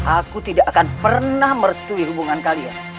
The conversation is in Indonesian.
aku tidak akan pernah merestui hubungan kalian